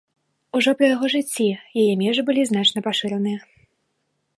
Ужо пры яго жыцці яе межы былі значна пашыраны.